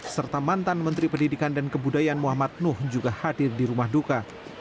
serta mantan menteri pendidikan dan kebudayaan muhammad nuh juga hadir di rumah duka